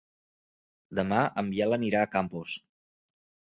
Demà en Biel anirà a Campos.